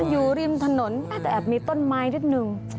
อยู่ริมถนนแต่แอบมีต้นไม้นิดนึง